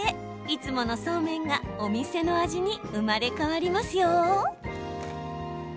いつものそうめんがお店の味に生まれ変わりますよ！